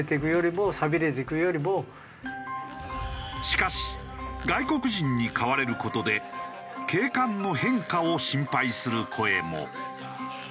しかし外国人に買われる事で景観の変化を心配する声も。